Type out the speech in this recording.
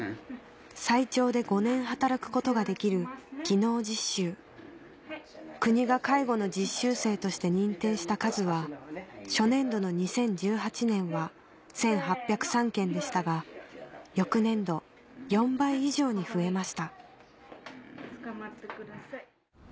最長で５年働くことができる技能実習国が介護の実習生として認定した数は初年度の２０１８年は１８０３件でしたが翌年度４倍以上に増えました